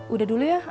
udah dulu ya